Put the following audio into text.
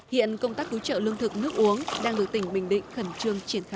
hiện công tác cứu trợ lương thực nước uống đang được tỉnh bình định khẩn trương triển khai